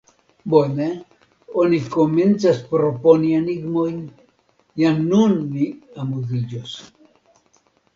Bone, oni komencas proponi enigmojn: jam nun ni amuziĝos.